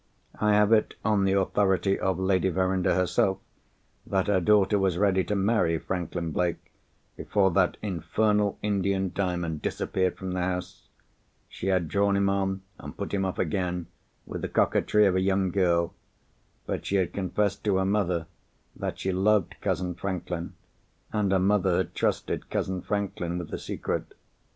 I have it on the authority of Lady Verinder herself, that her daughter was ready to marry Franklin Blake, before that infernal Indian Diamond disappeared from the house. She had drawn him on and put him off again, with the coquetry of a young girl. But she had confessed to her mother that she loved cousin Franklin, and her mother had trusted cousin Franklin with the secret.